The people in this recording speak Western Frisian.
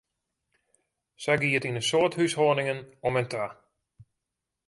Sa gie it yn in soad húshâldingen om en ta.